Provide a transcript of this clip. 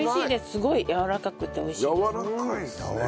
すごいやわらかくて美味しいですね。